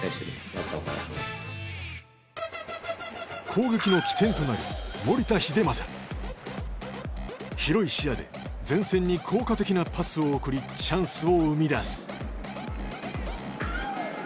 攻撃の起点となる広い視野で前線に効果的なパスを送りチャンスを生み出す。